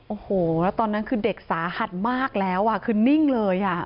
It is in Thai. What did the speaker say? โอ้โหแล้วตอนนั้นคือเด็กสาหัสมากแล้วคือนิ่งเลยอ่ะ